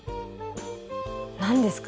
何ですか？